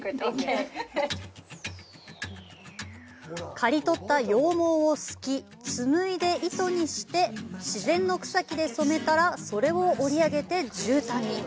刈り取った羊毛をすき、紡いで糸にして自然の草木で染めたらそれを織り上げて絨毯に。